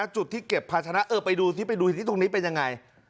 จุดที่เก็บภาชนะเออไปดูซิไปดูที่ตรงนี้เป็นยังไง